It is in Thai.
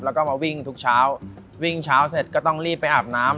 แล้วก็มาวิ่งทุกเช้าวิ่งเช้าเสร็จก็ต้องรีบไปอาบน้ำ